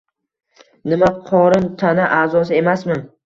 Nima qorin tana a'zosi emasmi?